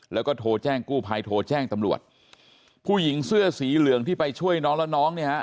แล้วก็โทรแจ้งกู้ภัยโทรแจ้งตำรวจผู้หญิงเสื้อสีเหลืองที่ไปช่วยน้องแล้วน้องเนี่ยฮะ